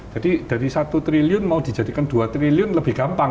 jadi dari satu triliun mau dijadikan dua triliun lebih gampang